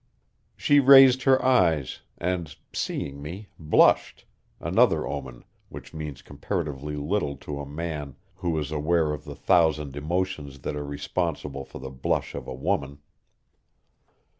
She raised her eyes, and, seeing me, blushed, another omen which means comparatively little to a man who is aware of the thousand emotions that are responsible for the blush of woman.